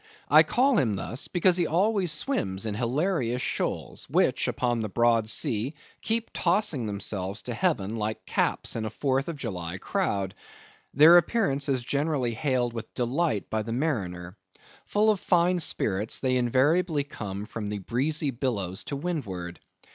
I call him thus, because he always swims in hilarious shoals, which upon the broad sea keep tossing themselves to heaven like caps in a Fourth of July crowd. Their appearance is generally hailed with delight by the mariner. Full of fine spirits, they invariably come from the breezy billows to windward.